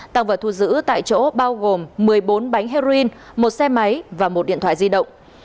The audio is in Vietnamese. tăng vật thu giữ tại chỗ bao gồm một mươi bốn bánh heroin một xe máy và một điện thoại di động